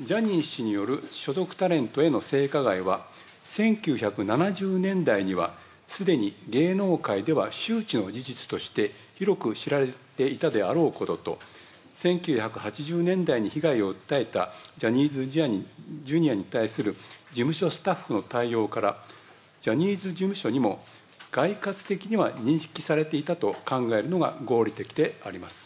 ジャニー氏による所属タレントへの性加害は、１９７０年代にはすでに芸能界では周知の事実として、広く知られていたであろうことと、１９８０年代に被害を訴えたジャニーズＪｒ．に対する事務所スタッフの対応から、ジャニーズ事務所にも概括的には認識されていたと考えるのが合理的であります。